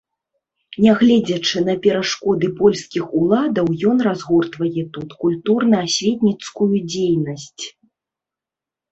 Нягледзячы на перашкоды польскіх уладаў, ён разгортвае тут культурна-асветніцкую дзейнасць.